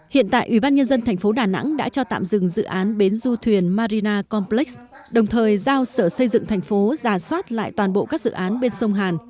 hiện tại ủy ban nhân dân thành phố đà nẵng đã cho tạm dừng dự án bến du thuyền marina complex đồng thời giao sở xây dựng thành phố giả soát lại toàn bộ các dự án bên sông hàn